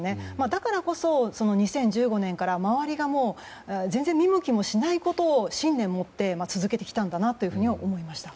だからこそ、２０１５年から周りが全然見向きもしないことを信念を持って続けてきたんだなというふうに思いました。